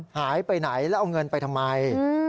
หายไปไหนแล้วเอาเงินไปทำไม